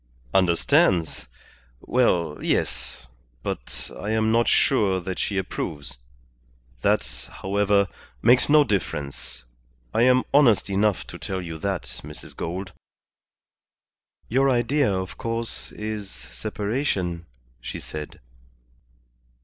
"Understands? Well, yes. But I am not sure that she approves. That, however, makes no difference. I am honest enough to tell you that, Mrs. Gould." "Your idea, of course, is separation," she said.